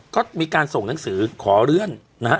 ก็มีการส่งหนังสือขอเลื่อนนะฮะ